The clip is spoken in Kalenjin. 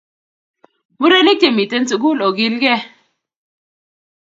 Murenik che miten sukul okilkee